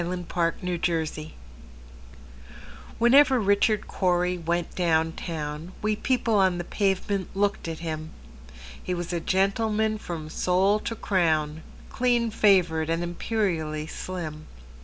Richard Cory WHENEVER Richard Cory went down town, We people on the pavement looked at him:He was a gentleman from sole to crown, Clean favored, and imperially slim.